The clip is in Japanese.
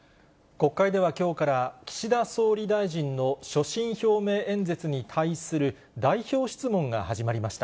国会ではきょうから岸田総理大臣の所信表明演説に対する代表質問が始まりました。